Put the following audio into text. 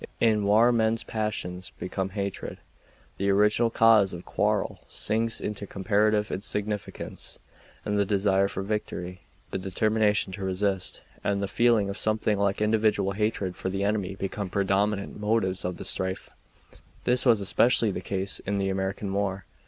In war men's passions become heated, the original cause of quarrel sinks into comparative insignificance, and the desire for victory, the determination to resist, and a feeling of something like individual hatred for the enemy become predominant motives of the strife. This was especially the case in the American war.